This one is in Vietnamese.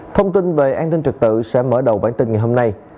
thông tin về an ninh trật tự sẽ mở đầu bản tin ngày hôm nay